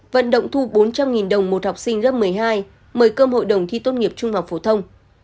vận động thu bốn trăm linh đồng một học sinh lớp một mươi hai mời cơm hội đồng thi tốt nghiệp trung học phổ thông